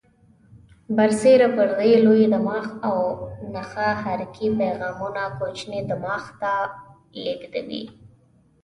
برسیره پر دې لوی دماغ او نخاع حرکي پیغامونه کوچني دماغ ته لېږدوي.